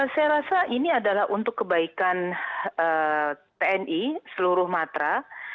saya rasa ini adalah untuk kebaikan tni seluruh matra